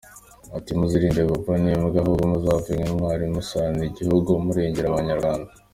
Ati ”Muzirinde gupfa nk’imbwa, ahubwo muzapfe nk’intwari murasanira igihugu, murengera Abanyarwanda.